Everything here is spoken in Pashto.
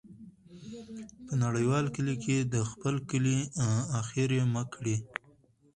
په نړیوال کلي کې د خپل کلی ، اخر یې مه کړې.